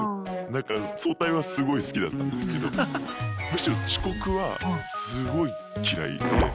だから早退はすごい好きだったんですけどむしろ遅刻はすごい嫌いで。